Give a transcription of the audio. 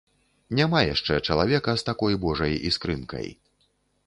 Няма яшчэ чалавека з такой божай іскрынкай.